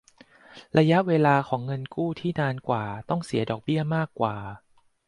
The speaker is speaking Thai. ระยะเวลาของเงินกู้ที่นานกว่าต้องเสียดอกเบี้ยมากกว่า